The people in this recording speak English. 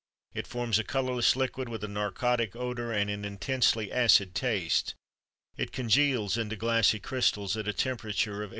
It forms a colorless liquid with a narcotic odor and an intensely acid taste; it congeals into glassy crystals at a temperature of 8.